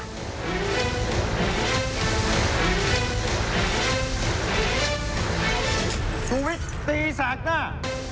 ชูวิทย์ตีแสกหน้า